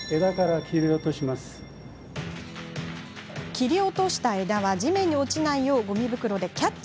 切り落とした枝は地面に落ちないようごみ袋でキャッチ。